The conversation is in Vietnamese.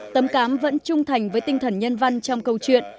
tấm cám vẫn trung thành với tinh thần nhân văn trong câu chuyện